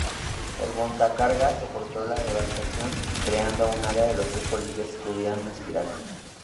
El montacargas soportó la devastación, creando un área donde los tres policías pudieran respirar.